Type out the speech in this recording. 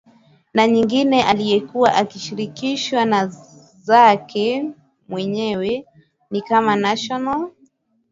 na nyingine alikuwa akishirikishwa za kwake mwenyewe ni kama national